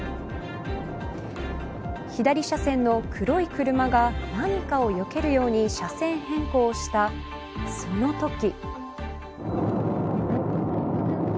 左車線の黒い車が何かをよけるように車線変更したそのとき。